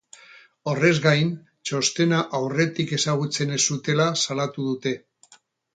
Horrez gain, txostena aurretik ezagutzen ez zutela salatu dute.